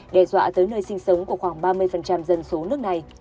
đe dọa tới nơi sinh sống của khoảng ba mươi dân số nước này